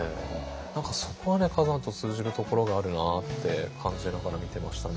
何かそこはね崋山と通じるところがあるなって感じながら見てましたね。